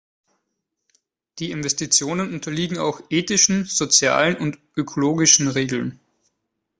Die Investitionen unterliegen auch ethischen, sozialen und ökologischen Regeln.